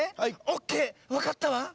オッケーわかったわ。